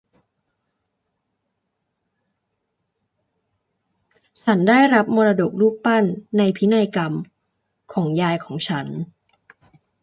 ฉันได้รับมรดกรูปปั้นในพินัยกรรมของยายของฉัน